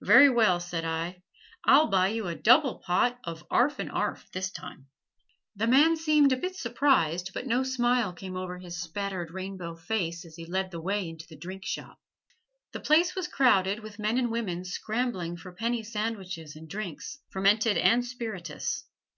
"Very well," said I; "I'll buy you a double pot of 'arf and 'arf, this time." The man seemed a bit surprised, but no smile came over his spattered rainbow face as he led the way into the drink shop. The place was crowded with men and women scrambling for penny sandwiches and drinks fermented and spirituous.